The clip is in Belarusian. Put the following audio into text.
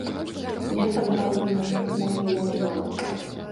Нехта даваў яму на фільм два мільёна долараў.